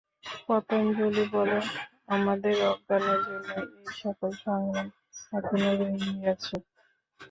পতঞ্জলি বলেন, আমাদের অজ্ঞানের জন্যই এই-সকল সংগ্রাম এখনও রহিয়াছে।